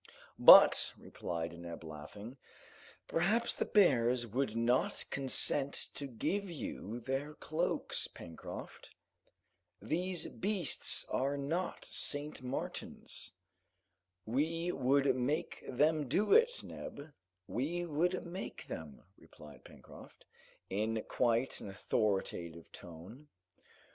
"But," replied Neb, laughing, "perhaps the bears would not consent to give you their cloaks, Pencroft. These beasts are not St. Martins." "We would make them do it, Neb, we would make them," replied Pencroft, in quite an authoritative tone.